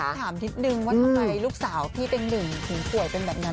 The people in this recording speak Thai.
และถามนิดนึงทำไมลูกสาวพี่เต็งหนึ่งกลัวไวว์เป็นแบบนั้น